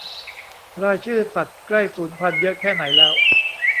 รายชื่อสัตว์ใกล้สูญพันธุ์เยอะแค่ไหนแล้ว